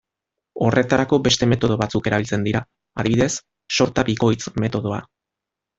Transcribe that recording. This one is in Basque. Horretarako beste metodo batzuk erabiltzen dira, adibidez, sorta-bikoitz metodoa.